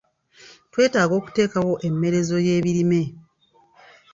Twetaaga okuteekawo emmerezo y'ebirime.